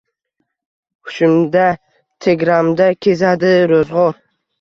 Hushimda, tegramda kezadi ro‘zg‘or